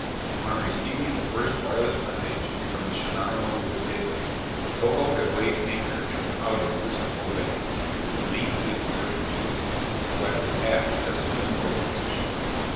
On receiving the first wireless message from the "Shinano Maru" at daybreak, Togo had weighed anchor and come out of Masampho Bay, with his main fleet steering east, so as to pass just to the north of Tsu shima.